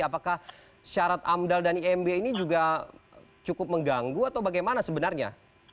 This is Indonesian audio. apakah syarat amdal dan imb ini juga cukup mengganggu atau bagaimana sebenarnya